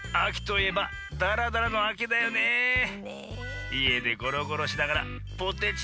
いえでゴロゴロしながらポテチたべてもよし。